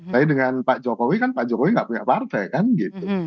tapi dengan pak jokowi kan pak jokowi nggak punya partai kan gitu